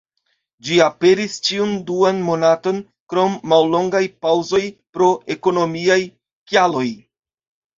Ĝi aperis ĉiun duan monaton, krom mallongaj paŭzoj pro ekonomiaj kialoj.